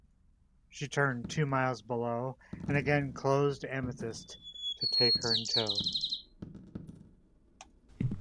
She turned two miles below and again closed "Amethyst" to take her in tow.